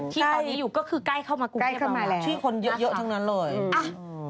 ที่ตอนนี้อยู่ก็คือใกล้เข้ามากรุงเที่ยวบ้างนะครับที่คนเยอะทั้งนั้นเลยอ้าว